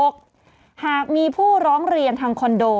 หากมีผู้ร้องเรียนทางคอนโด